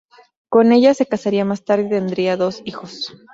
Con ella se casaría más tarde y tendría dos hijos.